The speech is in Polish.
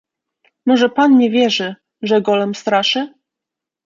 "Może pan nie wierzy, że Golem straszy?"